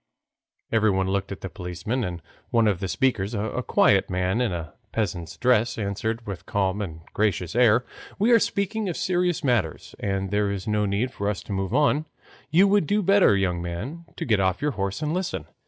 Everyone looked at the policeman, and one of the speakers, a quiet man in a peasant's dress, answered with a calm and gracious air, "We are speaking of serious matters, and there is no need for us to move on; you would do better, young man, to get off your horse and listen.